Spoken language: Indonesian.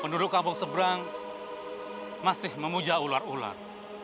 penduduk kampung seberang masih memuja ular ular